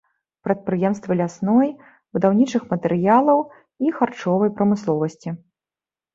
Прадпрыемствы лясной, будаўнічых матэрыялаў і харчовай прамысловасці.